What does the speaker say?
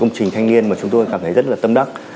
công trình thanh niên mà chúng tôi cảm thấy rất là tâm đắc